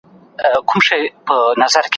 دا زموږ د اقتصاد وینه ده.